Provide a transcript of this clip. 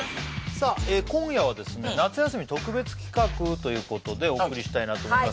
さあ今夜はですねということでお送りしたいなと思います